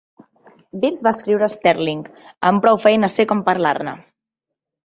Bierce va escriure a Sterling "Amb prou feines sé com parlar-ne".